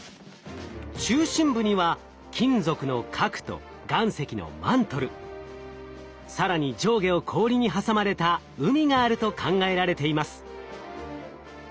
中心部には金属の核と岩石のマントル更に上下を氷に挟まれた海があると考えられています。